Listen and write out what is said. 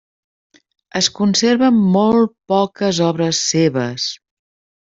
Es conserven molt poques obres seves.